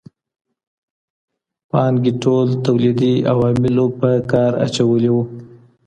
پانګي ټول توليدي عوامل په کار اچولي وو.